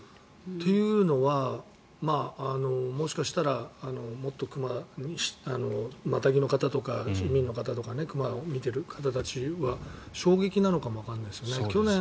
というのは、もしかしたらマタギの方とか市民の方とか熊を見ている方たちは衝撃なのかもわからないですよね。